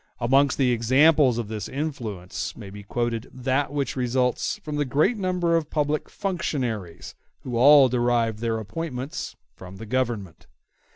Amongst the examples of this influence may be quoted that which results from the great number of public functionaries, who all derive their appointments from the Government.